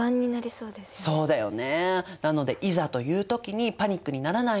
そうだよね。